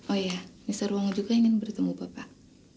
oh iya nisarwango juga ingin bertemu bapak